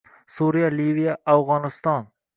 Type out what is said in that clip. Suriya, Liviya, Afg'oniston